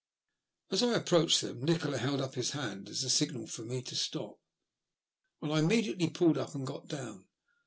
As I approached them Nikola held up his hand as a signal to me to stop, and I immediately pulled up and got down.